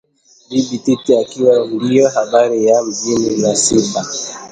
Bibi Titi ikawa ndio habari ya mjini na sifa